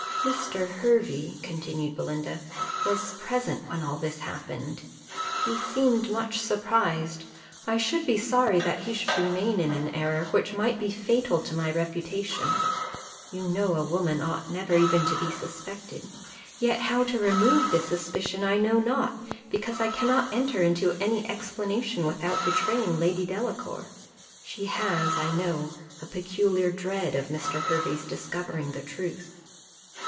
"Mr. Hervey," continued Belinda, "was present when all this happened he seemed much surprised: I should be sorry that he should remain in an error which might be fatal to my reputation you know a woman ought not even to be suspected; yet how to remove this suspicion I know not, because I cannot enter into any explanation, without betraying Lady Delacour she has, I know, a peculiar dread of Mr. Hervey's discovering the truth."